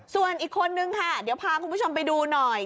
ส่วนอีกคนนึงค่ะเดี๋ยวพาคุณผู้ชมไปดูหน่อย